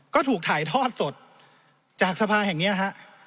ก็ถูกถ่ายทอดสดจากสภาแห่งนี้ฮะ